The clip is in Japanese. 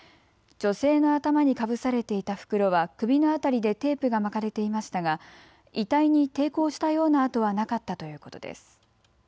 女性の頭にかぶされていた袋は首の辺りでテープが巻かれていましたが遺体に抵抗したようなあとはなかったということです。